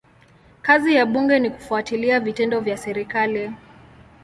Kazi ya bunge ni kufuatilia vitendo vya serikali.